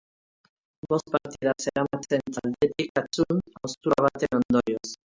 Bost partida zeramatzen taldetik at zuntz haustura baten ondorioz.